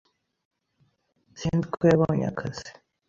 Sinzi uko yabonye akazi.